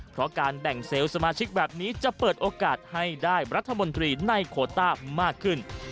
เพราะการแบ่งเซลล์สมาชิกแบบนี้จะเปิดโอกาสให้ได้รัฐมนตรีในโคต้ามากขึ้น